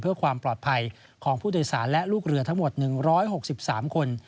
เพื่อความปลอดภัยของผู้โดยสารและลูกเรือทั้งหมด๑๖๓คน